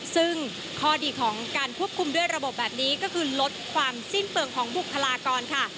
ซึ่งข้อดีของการควบคุมด้วยระบบแบบนี้ก็คือลดความสิ้นเปลืองของบุคลากรค่ะ